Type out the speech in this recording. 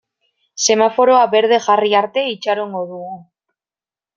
Semaforoa berde jarri arte itxarongo dugu.